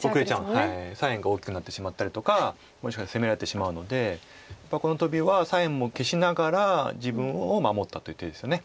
左辺が大きくなってしまったりとかもしかして攻められてしまうのでやっぱりこのトビは左辺も消しながら自分を守ったという手ですよね。